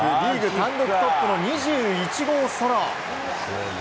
単独トップの２１号ソロ。